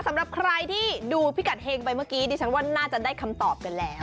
สำหรับใครที่ดูพิกัดเฮงไปเมื่อกี้ดิฉันว่าน่าจะได้คำตอบกันแล้ว